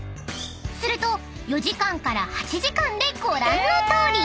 ［すると４時間から８時間でご覧のとおり］